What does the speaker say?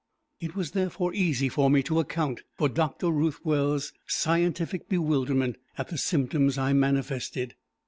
It was, therefore, easy for me to account for Dr. Ruthwell's scientific bewilderment at the symptoms I manifested.